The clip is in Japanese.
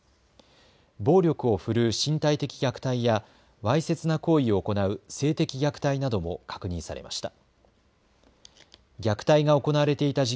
暴力を振るう身体的虐待やわいせつな行為を行う性的虐待なども確認されました。